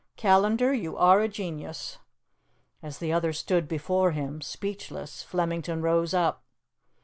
Callandar, you are a genius." As the other stood before him, speechless, Flemington rose up.